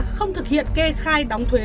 không thực hiện kê khai đóng thuế